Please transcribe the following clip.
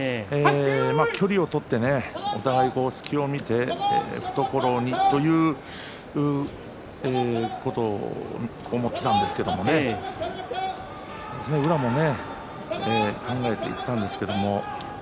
距離を取ってお互い隙を見てということを思っていたんですが宇良も考えていたんですけれども。